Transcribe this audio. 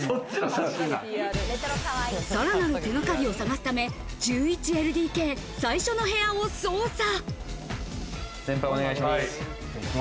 さらなる手がかりを探すため、１１ＬＤＫ最初の部屋を捜査。